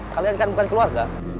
kalian kan bukan keluarga